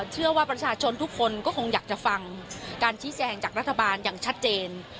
เชื่อว่าประชาชนทุกคนก็คงอยากจะฟังการชี้แจงจากรัฐบาลอย่างชัดเจน